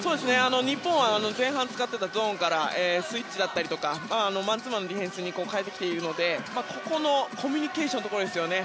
日本は前半使っていたゾーンからスイッチだったりマンツーマンのディフェンスに変えているのでコミュニケーションのところですね。